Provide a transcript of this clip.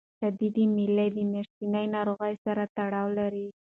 شدید میل د میاشتنۍ ناروغۍ سره تړاو لري.